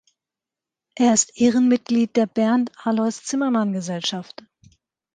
Er ist Ehrenmitglied der Bernd-Alois-Zimmermann-Gesellschaft.